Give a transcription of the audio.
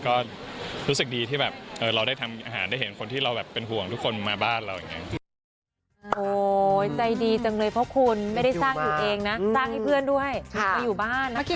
ก็รู้สึกดีที่แบบเราได้ทำอาหารได้เห็นคนที่เราแบบเป็นห่วงทุกคนมาบ้านเราอย่างนี้